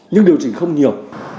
nhưng điều chỉnh không nhiều